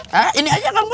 hah ini aja kang bos